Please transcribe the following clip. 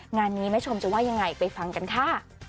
งานนี้แม่ชมจะว่ายังไงไปฟังกันค่ะ